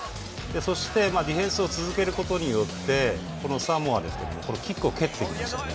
そして、ディフェンスを続けることによってこれはサモアですけどキックを蹴ってきましたよね。